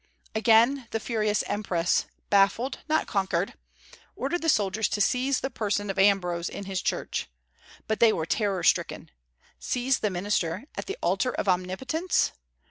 Again the furious empress baffled, not conquered ordered the soldiers to seize the person of Ambrose in his church. But they were terror stricken. Seize the minister at the altar of Omnipotence!